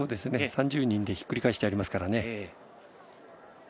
３０人でひっくり返してありますからね。